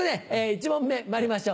１問目まいりましょう。